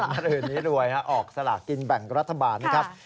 เมื่อคืนนี้รวยออกสลากกินแบ่งรัฐบาลนะครับ